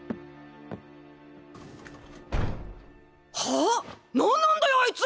はあ⁉何なんだよあいつ！